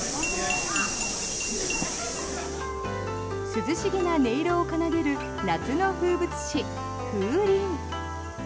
涼しげな音色を奏でる夏の風物詩、風鈴。